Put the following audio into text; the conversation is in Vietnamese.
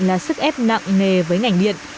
là sức ép nặng nề với ngành điện